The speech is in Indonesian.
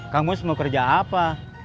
kamus mau kerja apa